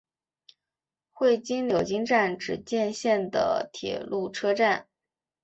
会津柳津站只见线的铁路车站。